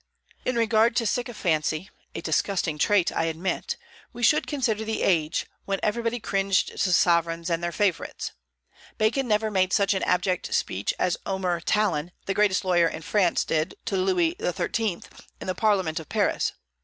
In regard to sycophancy, a disgusting trait, I admit, we should consider the age, when everybody cringed to sovereigns and their favorites. Bacon never made such an abject speech as Omer Talon, the greatest lawyer in France, did to Louis XIII, in the Parliament of Paris.